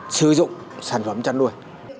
sử dụng sản phẩm trăn nuôi